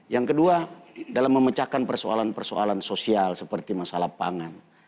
yang kedua dalam memecahkan persoalan persoalan sosial seperti masalah pangan